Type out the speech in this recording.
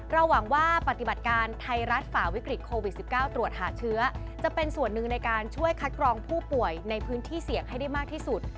หวังว่าปฏิบัติการไทยรัฐฝ่าวิกฤตโควิด๑๙ตรวจหาเชื้อจะเป็นส่วนหนึ่งในการช่วยคัดกรองผู้ป่วยในพื้นที่เสี่ยงให้ได้มากที่สุด